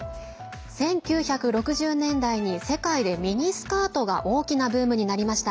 １９６０年代に世界でミニスカートが大きなブームになりました。